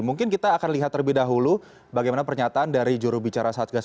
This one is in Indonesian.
mungkin kita akan lihat terlebih dahulu bagaimana pernyataan dari jurubicara satgas